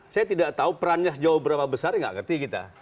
saya tidak tahu perannya sejauh berapa besar nggak ngerti kita